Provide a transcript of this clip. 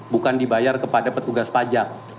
bukan dibayar kepada petugas pajak